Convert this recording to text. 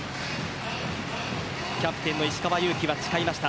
キャプテンの石川祐希は誓いました。